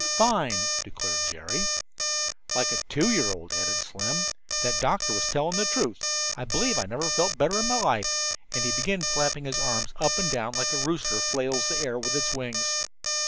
"Fine," declared Jerry. "Like a two year old," added Slim. "That doctor was telling the truth. I believe I never felt better in my life," and he began flapping his arms up and down like a rooster flails the air with its wings.